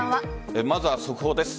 まずは速報です。